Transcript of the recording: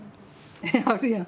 あるやん。